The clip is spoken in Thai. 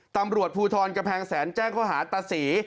ตำรวจภูทรกระแพงแสนแจ้งเขาหาตะสี